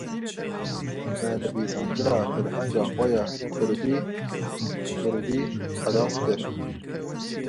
Me nivîsandina ferhenga xwe ya kurdî-kurdî xilas kir